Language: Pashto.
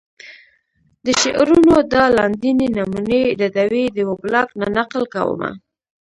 د شعرونو دا لاندينۍ نمونې ددوې د وېبلاګ نه نقل کومه